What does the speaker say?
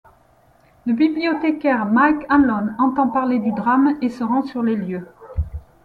Le bibliothécaire, Mike Hanlon, entend parler du drame et se rend sur les lieux.